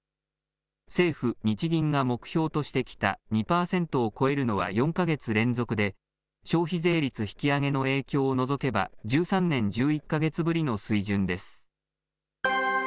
政府・日銀が目標としてきた２％を超えるのは４か月連続で、消費税率引き上げの影響を除けば、１３年１１か月ぶりの水準です。